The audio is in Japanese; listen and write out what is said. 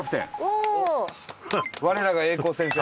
我らが英孝先生。